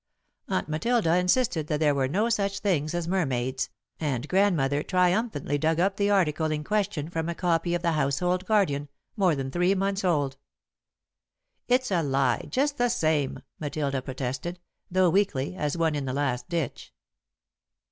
Aunt Matilda insisted that there were no such things as mermaids, and Grandmother triumphantly dug up the article in question from a copy of The Household Guardian more than three months old. [Sidenote: Working Faithfully] "It's a lie, just the same," Matilda protested, though weakly, as one in the last ditch.